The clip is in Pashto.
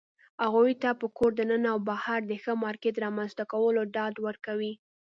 هغوى ته په کور دننه او بهر د ښه مارکيټ رامنځته کولو ډاډ ورکړى